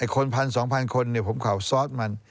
คนพันสองพันคนผมเขาซ้อนมุม